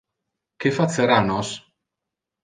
Que facera nos?